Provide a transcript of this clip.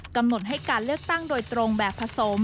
กำหนดให้การเลือกตั้งโดยตรงแบบผสม